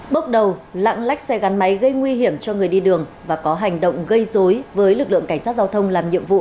bước đầu lạng lách xe gắn máy gây nguy hiểm cho người đi đường và có hành động gây dối với lực lượng cảnh sát giao thông làm nhiệm vụ